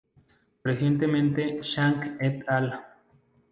Recientemente Zhang et al.